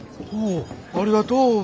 おおっありがとう。